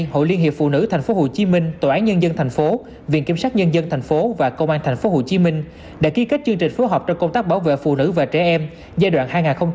hội liên hiệp phụ nữ tp hcm tnth viện kiểm sát nhân dân tp và công an tp hcm đã ký kết chương trình phối hợp trong công tác bảo vệ phụ nữ và trẻ em giai đoạn hai nghìn hai mươi hai nghìn hai mươi hai